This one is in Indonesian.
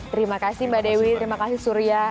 terima kasih mbak dewi terima kasih surya